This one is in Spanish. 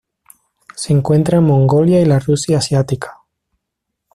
Se encuentra en Mongolia y la Rusia asiática.